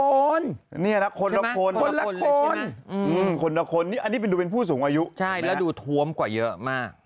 คนละคนใช่มั้ยคนละคนอันนี้ดูเป็นผู้สูงอายุใช่แล้วดูทวมกว่าเยอะมาก